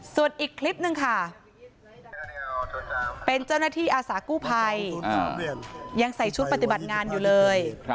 ส่วนอีกคลิปหนึ่งค่ะเป็นเจ้าหน้าที่อาสากู้ภัยยังใส่ชุดปฏิบัติงานอยู่เลย